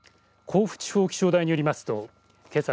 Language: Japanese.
甲府地方気象台によりますとけさ